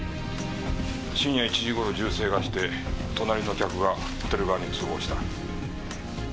深夜１時頃銃声がして隣の客がホテル側に通報した。